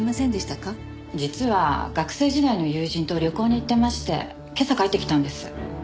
実は学生時代の友人と旅行に行ってまして今朝帰ってきたんです。